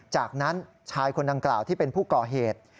จากนั้นชายคนดังกล่าวที่เป็นผู้ก่อเหตุ